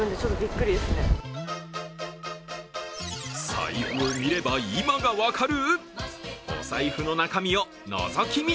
財布を見れば今が分かる！？